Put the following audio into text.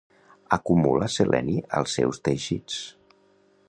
Acumula seleni als seus teixits.